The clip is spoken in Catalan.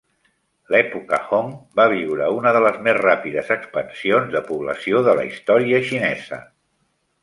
L'època Hong va viure una de les més ràpides expansions de població de la història xinesa.